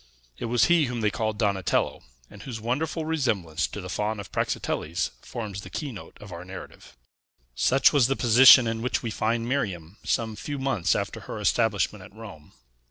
It was he whom they called Donatello, and whose wonderful resemblance to the Faun of Praxiteles forms the keynote of our narrative. Such was the position in which we find Miriam some few months after her establishment at Rome.